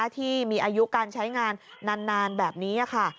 ที่มีอายุการใช้งานนานแบบนี้ค่ะ